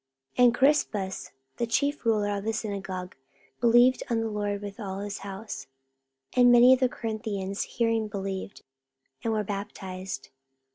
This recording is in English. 44:018:008 And Crispus, the chief ruler of the synagogue, believed on the Lord with all his house; and many of the Corinthians hearing believed, and were baptized.